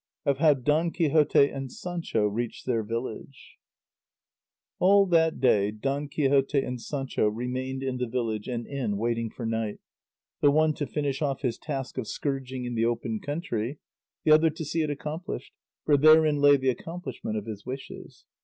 OF HOW DON QUIXOTE AND SANCHO REACHED THEIR VILLAGE All that day Don Quixote and Sancho remained in the village and inn waiting for night, the one to finish off his task of scourging in the open country, the other to see it accomplished, for therein lay the accomplishment of his wishes.